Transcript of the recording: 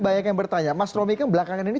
banyak yang bertanya mas romi kan belakangan ini